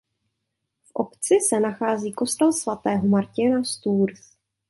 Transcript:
V obci se nachází kostel svatého Martina z Tours.